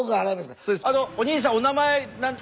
おにいさんお名前何？